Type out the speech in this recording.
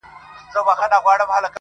چي سر دي درد نه کوي، داغ مه پر ايږده.